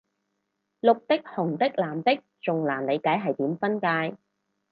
綠的紅的藍的仲難理解係點分界